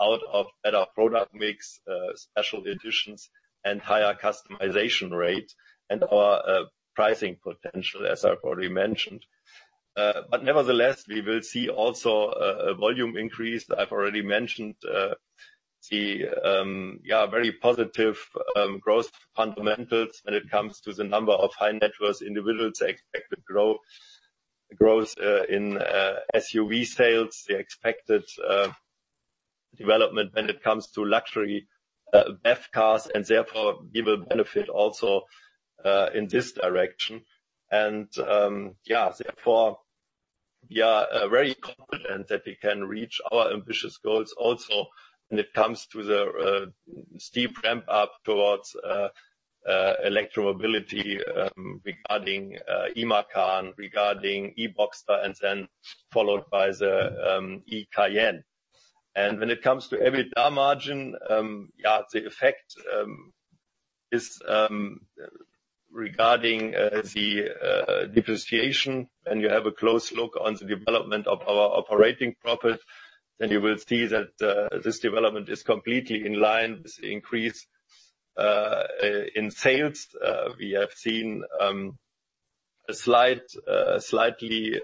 out of better product mix, special editions and higher customization rate and our pricing potential, as I've already mentioned. Nevertheless, we will see also a volume increase. I've already mentioned the very positive growth fundamentals when it comes to the number of high-net-worth individuals expected growth in SUV sales, the expected development when it comes to luxury BEV cars, and therefore, we will benefit also in this direction. Yeah, therefore, we are very confident that we can reach our ambitious goals also when it comes to the steep ramp-up towards electro mobility, regarding Macan, regarding e-Boxster, and then followed by the e-Cayenne. When it comes to EBITDA margin, yeah, the effect is regarding the depreciation, when you have a close look on the development of our operating profit, then you will see that this development is completely in line with the increase in sales. We have seen a slightly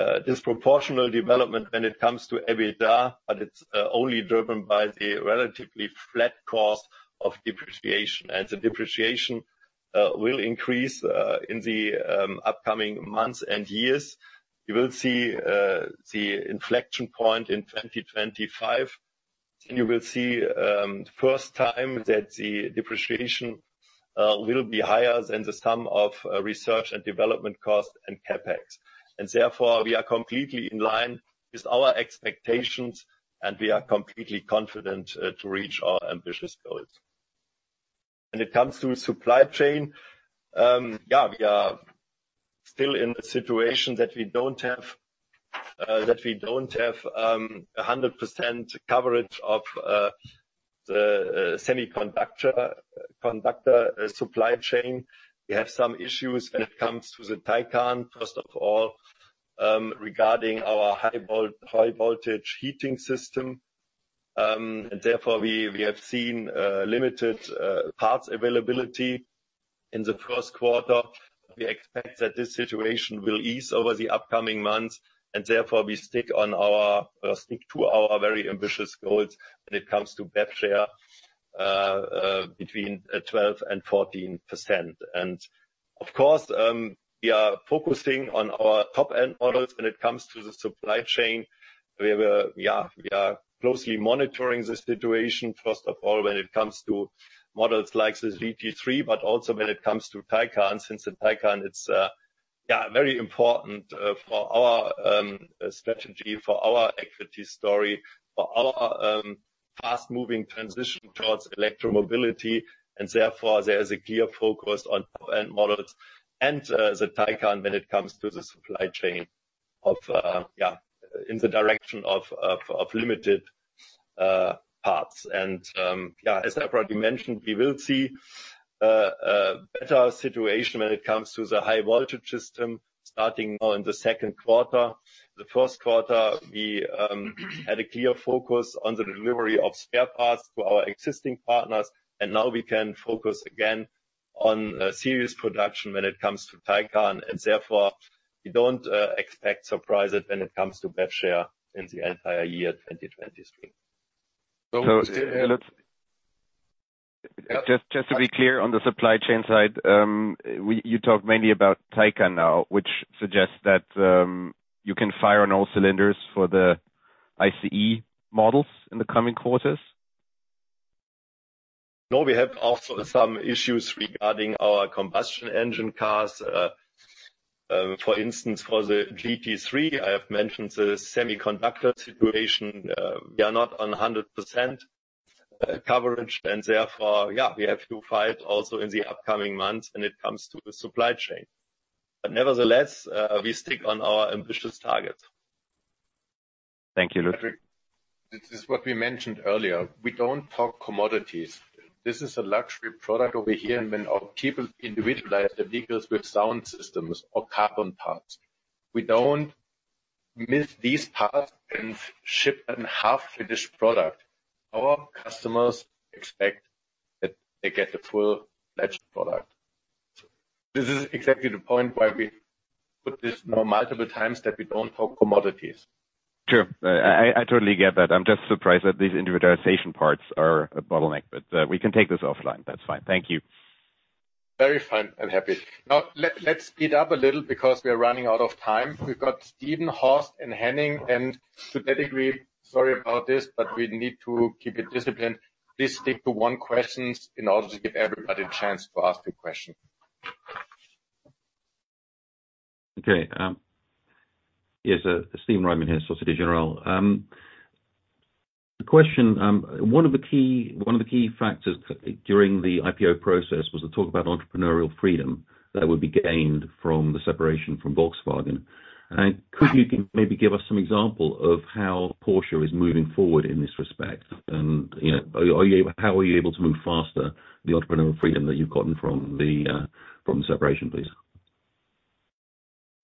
disproportional development when it comes to EBITDA, but it's only driven by the relatively flat cost of depreciation. The depreciation will increase in the upcoming months and years. You will see the inflection point in 2025. You will see first time that the depreciation will be higher than the sum of research and development costs and CapEx. Therefore, we are completely in line with our expectations, and we are completely confident to reach our ambitious goals. When it comes to supply chain, yeah, we are still in a situation that we don't have 100% coverage of the semiconductor, conductor supply chain. We have some issues when it comes to the Taycan, first of all, regarding our high volt, high voltage heating system. Therefore we have seen limited parts availability in the first quarter. We expect that this situation will ease over the upcoming months, and therefore we stick to our very ambitious goals when it comes to bed share between 12% and 14%. Of course, we are focusing on our top-end models when it comes to the supply chain. We are closely monitoring the situation, first of all, when it comes to models like the GT3, but also when it comes to Taycan, since the Taycan, it's very important for our strategy, for our equity story, for our fast-moving transition towards electromobility. Therefore, there is a clear focus on top-end models and the Taycan when it comes to the supply chain of, yeah, in the direction of limited parts. As I probably mentioned, we will see a better situation when it comes to the high voltage system starting now in the second quarter. The first quarter, we had a clear focus on the delivery of spare parts to our existing partners. Now we can focus again on serious production when it comes to Taycan. Therefore, we don't expect surprises when it comes to bed share in the entire year 2023. Lutz, Just to be clear on the supply chain side, You talked mainly about Taycan now, which suggests that you can fire on all cylinders for the ICE models in the coming quarters. No, we have also some issues regarding our combustion engine cars. For instance, for the GT3, I have mentioned the semiconductor situation. We are not on 100% coverage, and therefore, yeah, we have to fight also in the upcoming months when it comes to the supply chain. Nevertheless, we stick on our ambitious targets. Thank you, Lutz. This is what we mentioned earlier. We don't talk commodities. This is a luxury product over here, and when our people individualize their vehicles with sound systems or carbon parts, we don't miss these parts and ship a half-finished product. Our customers expect that they get the full-fledged product. This is exactly the point why we put this now multiple times, that we don't talk commodities. Sure. I totally get that. I'm just surprised that these individualization parts are a bottleneck. We can take this offline. That's fine. Thank you. Very fine and happy. Now let's speed up a little because we are running out of time. We've got Steven, Horst, and Henning, and pathetically sorry about this, but we need to keep it disciplined. Please stick to one questions in order to give everybody a chance to ask a question. Okay, yes, Stephen Roman here, Société Générale. The question, one of the key factors during the IPO process was the talk about entrepreneurial freedom that would be gained from the separation from Volkswagen. Could you maybe give us some example of how Porsche is moving forward in this respect? You know, how are you able to move faster, the entrepreneurial freedom that you've gotten from the separation, please?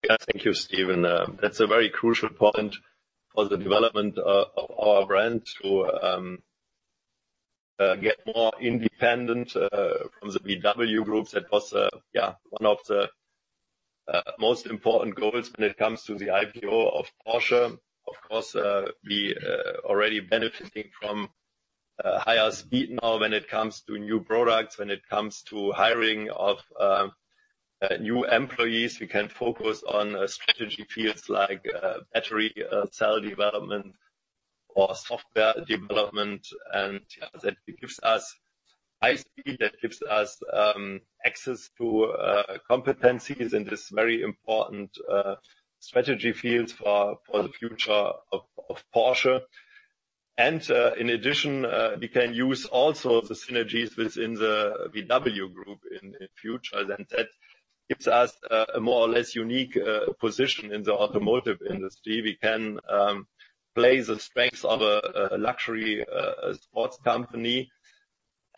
Yeah, thank you, Steven. That's a very crucial point for the development of our brand to get more independent from the VW group. That was, yeah, one of the most important goals when it comes to the IPO of Porsche. Of course, we already benefiting from higher speed now when it comes to new products, when it comes to hiring of new employees. We can focus on strategy fields like battery cell development or software development. Yeah, that gives us high speed, that gives us access to competencies in this very important strategy fields for the future of Porsche. In addition, we can use also the synergies within the VW group in future. That gives us a more or less unique position in the automotive industry. We can play the strengths of a luxury sports company,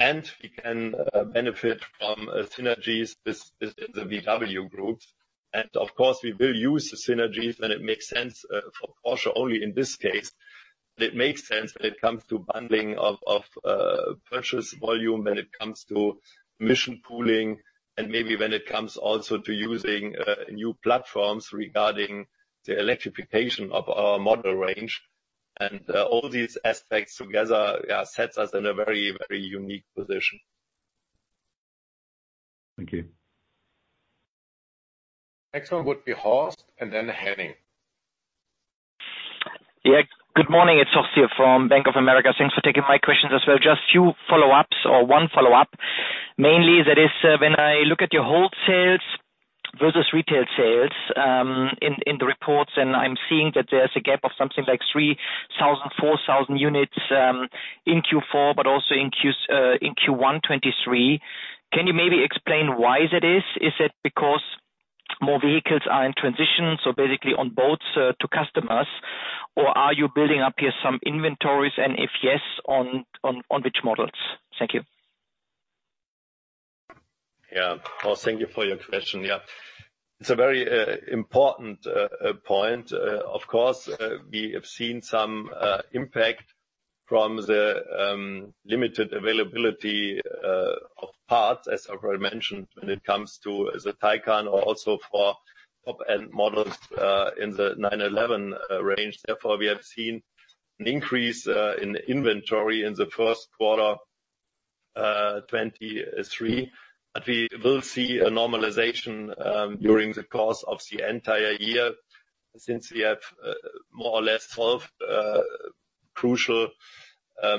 and we can benefit from synergies within the VW Group. Of course, we will use the synergies when it makes sense for Porsche only in this case, when it makes sense when it comes to bundling of purchase volume, when it comes to mission pooling, and maybe when it comes also to using new platforms regarding the electrification of our model range. All these aspects together sets us in a very, very unique position. Thank you. Next one would be Horst and then Henning. Yeah. Good morning. It's Horst here from Bank of America. Thanks for taking my questions as well. Just a few follow-ups or one follow-up. Mainly that is when I look at your wholesales versus retail sales in the reports, I'm seeing that there's a gap of something like 3,000, 4,000 units in Q4, but also in Q1 2023. Can you maybe explain why that is? Is it because more vehicles are in transition, so basically on boats to customers? Are you building up here some inventories, and if yes, on which models? Thank you. Yeah. Horst, thank you for your question. Yeah. It's a very important point. Of course, we have seen some impact-From the limited availability of parts, as I've already mentioned, when it comes to the Taycan or also for top-end models in the 911 range. Therefore, we have seen an increase in inventory in the first quarter 2023, but we will see a normalization during the course of the entire year since we have more or less solved crucial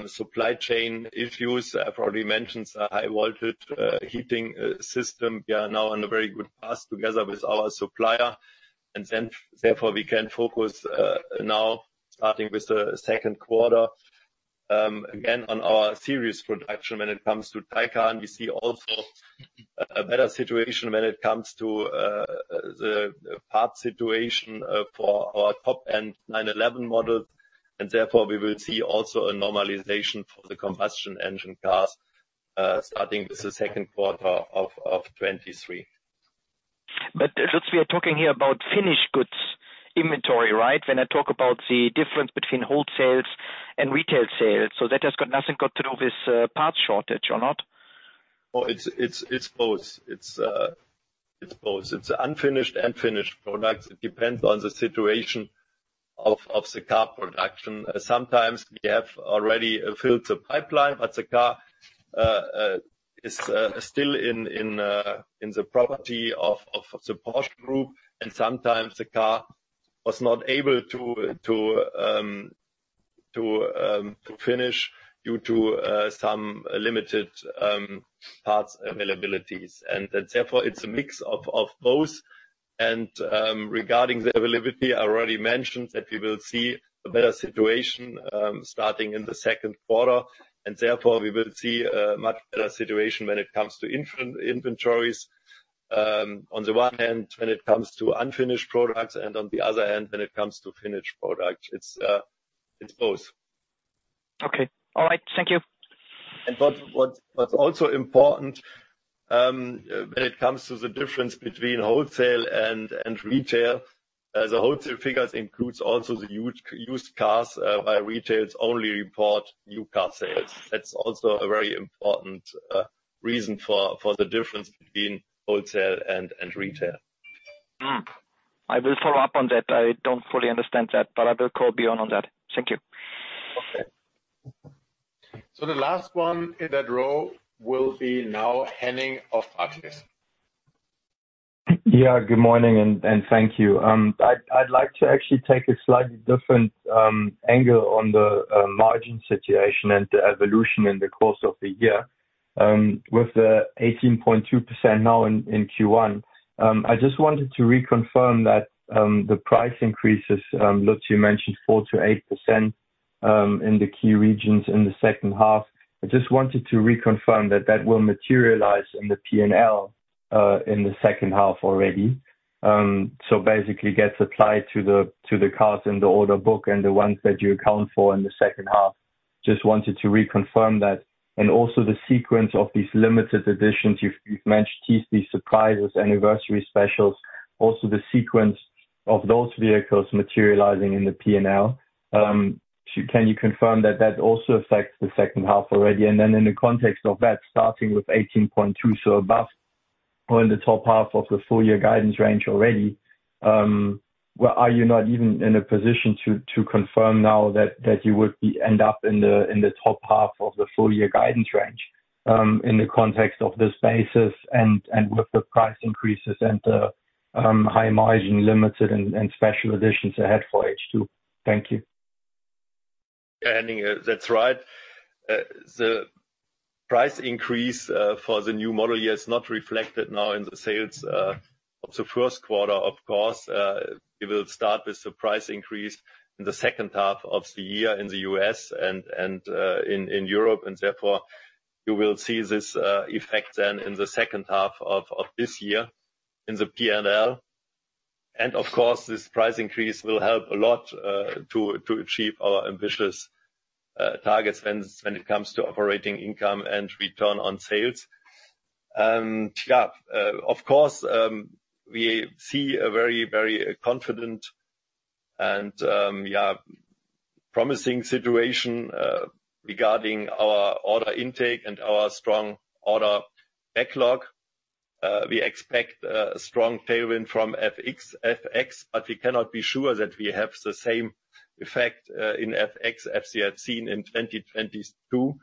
supply chain issues. I've already mentioned the high-voltage heating system. We are now on a very good path together with our supplier, and then therefore we can focus now starting with the second quarter again, on our serious production when it comes to Taycan. We see also a better situation when it comes to the parts situation for our top-end 911 models, and therefore we will see also a normalization for the combustion engine cars, starting with the second quarter of 2023. We are talking here about finished goods inventory, right? When I talk about the difference between wholesale and retail sales, that has got nothing to do with parts shortage or not? It's both. It's both. It's unfinished and finished products. It depends on the situation of the car production. Sometimes we have already filled the pipeline, the car is still in the property of the Porsche Group, and sometimes the car was not able to finish due to some limited parts availabilities. Therefore it's a mix of both. Regarding the availability, I already mentioned that we will see a better situation starting in the second quarter, therefore we will see a much better situation when it comes to inventories on the one hand, when it comes to unfinished products, and on the other hand, when it comes to finished products. It's both. Okay, all right. Thank you. What's also important, when it comes to the difference between wholesale and retail, the wholesale figures includes also the used cars, while retail only report new car sales. That's also a very important reason for the difference between wholesale and retail. I will follow up on that. I don't fully understand that. I will call Björn on that. Thank you. Okay. The last one in that row will be now Henning of Artus. Yeah, good morning, and thank you. I'd like to actually take a slightly different angle on the margin situation and the evolution in the course of the year with the 18.2% now in Q1. I just wanted to reconfirm that the price increases, Lutz, you mentioned 4%-8% in the key regions in the second half. I just wanted to reconfirm that will materialize in the P&L in the second half already. Basically gets applied to the cars in the order bank and the ones that you account for in the second half. Just wanted to reconfirm that. Also the sequence of these limited editions. You've mentioned these surprises, anniversary specials, also the sequence of those vehicles materializing in the P&L. Can you confirm that also affects the second half already? In the context of that, starting with 18.2, so above or in the top half of the full year guidance range already, are you not even in a position to confirm now that you would end up in the top half of the full year guidance range in the context of this basis and with the price increases and the high margin limited and special editions ahead for H2? Thank you. Henning, that's right. The price increase for the new model year is not reflected now in the sales of the first quarter, of course. We will start with the price increase in the second half of the year in the US and in Europe. Therefore, you will see this effect then in the second half of this year in the P&L. Of course, this price increase will help a lot to achieve our ambitious targets when it comes to operating income and return on sales. Of course, we see a very confident and promising situation regarding our order intake and our strong order backlog. We expect a strong tailwind from FX, but we cannot be sure that we have the same effect in FX as we have seen in 2022.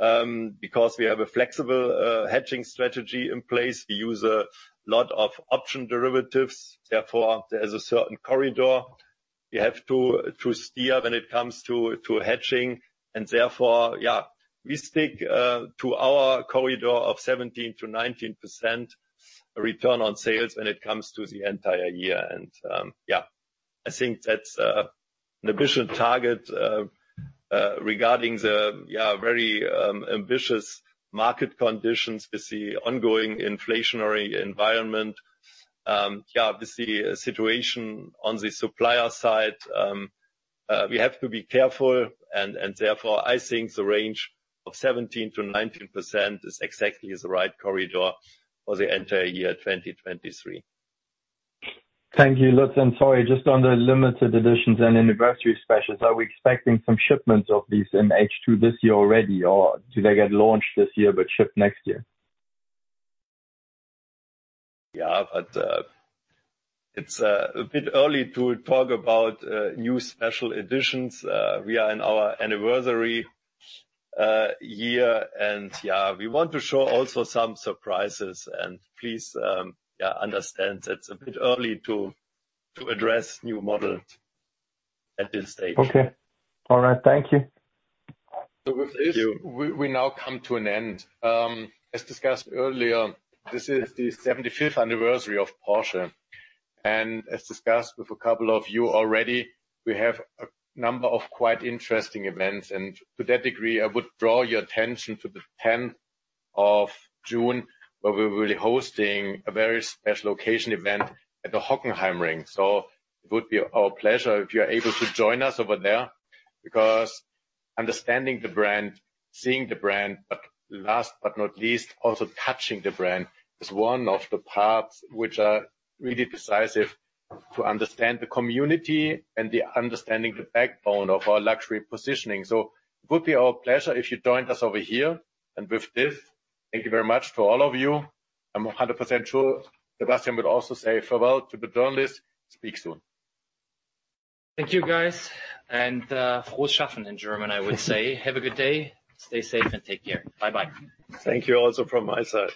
We have a flexible hedging strategy in place. We use a lot of option derivatives, therefore there's a certain corridor you have to steer when it comes to hedging, therefore we stick to our corridor of 17%-19% return on sales when it comes to the entire year. I think that's an ambitious target regarding the very ambitious market conditions with the ongoing inflationary environment. Yeah, with the situation on the supplier side, we have to be careful, and therefore, I think the range of 17%-19% is exactly the right corridor for the entire year 2023. Thank you, Lutz, and sorry, just on the limited editions and anniversary specials, are we expecting some shipments of these in H2 this year already, or do they get launched this year but shipped next year? It's a bit early to talk about new special editions. We are in our anniversary year. We want to show also some surprises. Understand it's a bit early to address new models at this stage. Okay. All right. Thank you. We now come to an end. As discussed earlier, this is the 75th anniversary of Porsche. As discussed with a couple of you already, we have a number of quite interesting events. To that degree, I would draw your attention to the 10th of June, where we'll be hosting a very special occasion event at the Hockenheimring. It would be our pleasure if you're able to join us over there. Because understanding the brand, seeing the brand, but last but not least, also touching the brand, is one of the parts which are really decisive to understand the community and the understanding the backbone of our luxury positioning. It would be our pleasure if you joined us over here. Thank you very much to all of you. I'm 100% sure Sebastian would also say farewell to the journalists. Speak soon. Thank you guys, and Frohes Schaffen in German, I would say. Have a good day, stay safe, and take care. Bye-bye. Thank you also from my side.